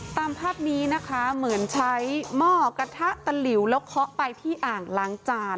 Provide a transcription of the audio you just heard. ตามภาพนี้นะคะเหมือนใช้หม้อกระทะตะหลิวแล้วเคาะไปที่อ่างล้างจาน